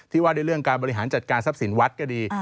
ที่ว่าในเรื่องการบริหารจัดการทรัพย์ศิลป์วัฒน์ก็ดี